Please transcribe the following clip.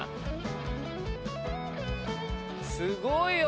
すごいよ！